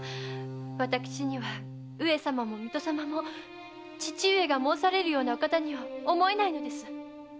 私には上様も水戸様も父上が申されるようなお方には思えないのです。